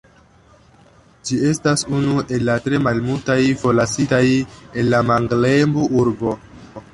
Ĝi estas unu el la tre malmultaj forlasitaj en la Menglembu-urbo.